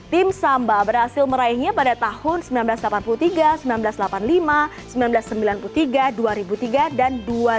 tim samba berhasil meraihnya pada tahun seribu sembilan ratus delapan puluh tiga seribu sembilan ratus delapan puluh lima seribu sembilan ratus sembilan puluh tiga dua ribu tiga dan dua ribu dua